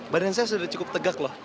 badan saya sudah cukup tegak loh